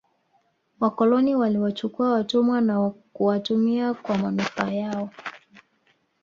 wakoloni waliwachukua watumwa na kuwatumia kwa manufaa yao